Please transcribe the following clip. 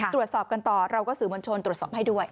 ตรวจสอบกันต่อเราก็สื่อมวลชนตรวจสอบให้ด้วย